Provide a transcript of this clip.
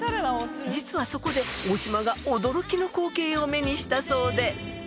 実はそこで大島が驚きの光景を目にしたそうで。